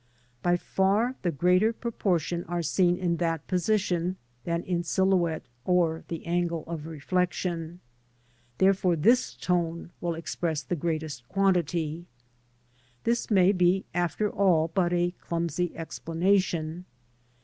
By far the greater proportion are seen in that position than in silhouette or the angle of reflection, therefore this tone will express the greatest quantity. This may be after all but a clumsy explanation.